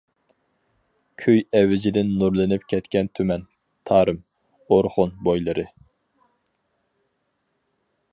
كۈي ئەۋجىدىن نۇرلىنىپ كەتكەن تۈمەن، تارىم، ئورخۇن، . بويلىرى.